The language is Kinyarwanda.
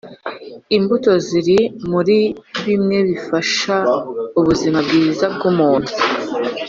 imbuto ziri muri bimwe bifasha ubuzima bwiza bwu muntu